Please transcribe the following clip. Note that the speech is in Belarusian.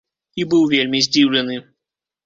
І быў вельмі здзіўлены!